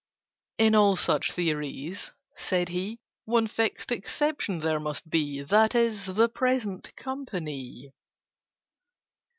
"In all such theories," said he, "One fixed exception there must be. That is, the Present Company."